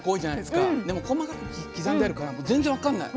でも細かく刻んであるから全然分かんない。